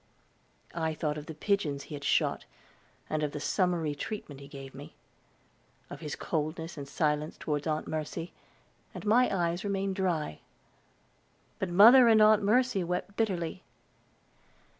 I thought of the pigeons he had shot, and of the summary treatment he gave me of his coldness and silence toward Aunt Mercy, and my eyes remained dry; but mother and Aunt Mercy wept bitterly.